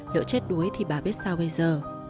liệu chết đuối thì bà biết sao bây giờ